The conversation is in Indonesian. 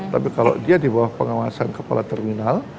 tapi kalau dia di bawah pengawasan kepala terminal